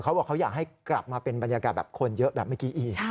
เขาบอกเขาอยากให้กลับมาเป็นบรรยากาศแบบคนเยอะแบบเมื่อกี้อีก